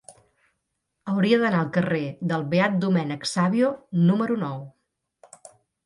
Hauria d'anar al carrer del Beat Domènec Savio número nou.